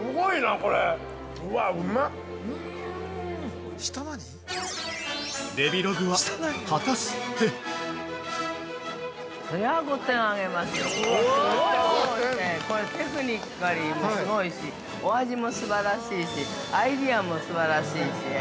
これ、テクニックもすごいしお味もすばらしいしアイデアもすばらしいしね。